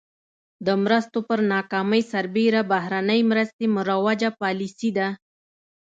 د مرستو پر ناکامۍ سربېره بهرنۍ مرستې مروجه پالیسي ده.